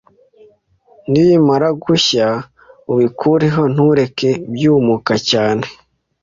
Nibimara gushya ubikureho ntureke byumuka cyane